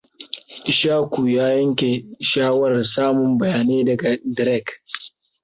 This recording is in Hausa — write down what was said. Ishaku ya yanke shawarar samun bayanai daga Drake.